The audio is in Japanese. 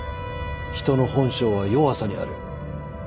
人の本性は弱さにある。